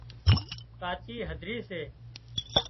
ڪاچي هڌرِي سي